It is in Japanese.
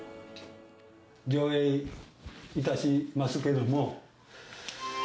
上映いたしますけれども。